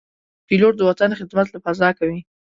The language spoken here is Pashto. پیلوټ د وطن خدمت له فضا کوي.